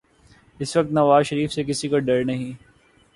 اس وقت نواز شریف سے کسی کو ڈر نہیں۔